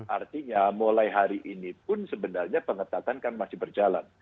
artinya mulai hari ini pun sebenarnya pengetatan kan masih berjalan